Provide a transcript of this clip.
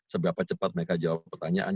seberapa cepat mereka jawab pertanyaan